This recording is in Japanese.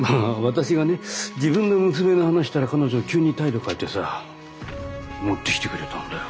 私がね自分の娘の話したら彼女急に態度変えてさ持ってきてくれたんだよ。